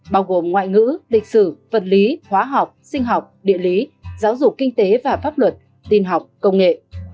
bao gồm ngoại ngữ lịch sử vật lý hóa học sinh học địa lý giáo dục kinh tế và pháp luật tin học công nghệ